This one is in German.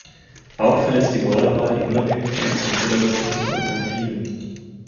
Auch verletzt die Borda-Wahl die Unabhängigkeit von irrelevanten Alternativen.